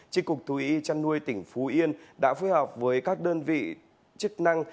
trịnh cục thu y chăn nuôi tỉnh phú yên đã phối hợp với các đơn vị chức năng